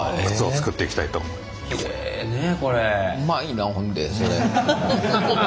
うまいなほんでそれ。